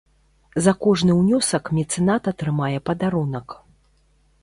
За кожны ўнёсак мецэнат атрымае падарунак.